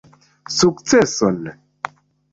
Sukceson!